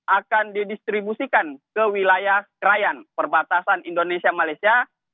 akan didistribusikan ke wilayah krayan perbatasan indonesia malaysia